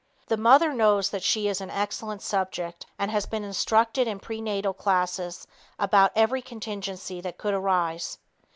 The mother knows that she is an excellent subject and has been instructed in prenatal classes about every contingency that could arise.